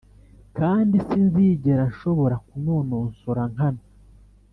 kandi sinzigera nshobora kunonosora nkana,